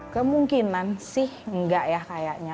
kemungkinan sih enggak ya kayaknya